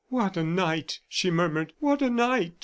"What a night!" she murmured. "What a night!"